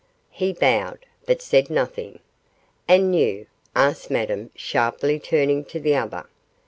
He bowed, but said nothing. 'And you?' asked Madame, sharply turning to the other.